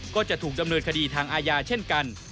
ก็จะถูกดำเนินคดีทางอาญาเช่นกัน